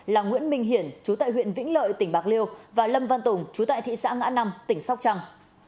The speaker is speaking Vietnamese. là nguyễn minh hiển chú tại huyện vĩnh lợi tỉnh bạc liêu và lâm văn tùng chú tại thị xã ngã năm tỉnh sóc trăng